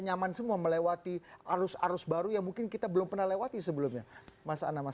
nyaman semua melewati arus arus baru yang mungkin kita belum pernah lewati sebelumnya mas ana mas